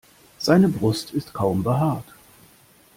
Seine Brust ist kaum behaart.